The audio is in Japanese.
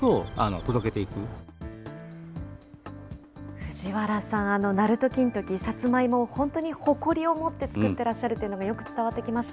藤原さん、なると金時、さつまいもを本当に誇りを持って作ってらっしゃるというのが、よく伝わってきました。